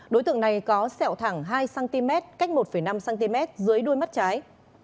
đối tượng này có sẹo thẳng hai cm cách một năm cm dưới đuôi mắt trái